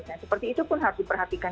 nah seperti itu pun harus diperhatikan